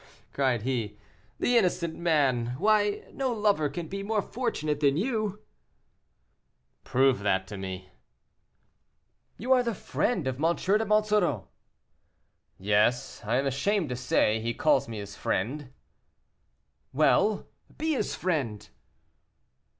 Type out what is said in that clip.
"Oh!" cried he, "the innocent man. Why, no lover can be more fortunate than you." "Prove that to me." "You are the friend of M. de Monsoreau." "Yes, I am ashamed to say, he calls me his friend." "Well! be his friend."